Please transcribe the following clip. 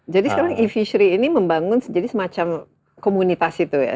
jadi sekarang e fishery ini membangun jadi semacam komunitas itu ya